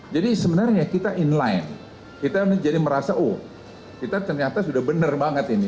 jadi sebenarnya kita in line kita jadi merasa oh kita ternyata sudah benar banget ini